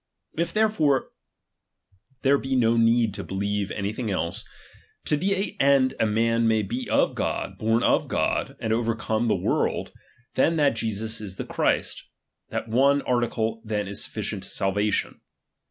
If therefore there be no need to believe anything else, to the end a man may be of God, born of God, and overcome RELIGION. 313 the world, than that Jesus is the Christ ; that one article then is suflBcient to salvation.